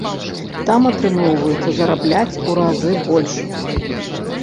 Там атрымоўваецца зарабляць у разы больш.